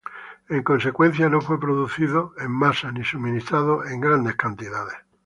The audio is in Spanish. En consecuencia, no fue producido en masa ni suministrado en grandes cantidades.